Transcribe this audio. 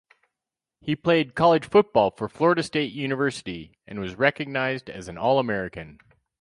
He played college football for Florida State University, and was recognized as an All-American.